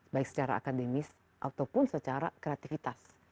baik secara akademis ataupun secara kreativitas